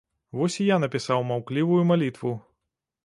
Вось і я напісаў маўклівую малітву.